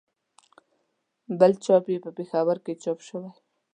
بل چاپ یې په پېښور کې چاپ شوی.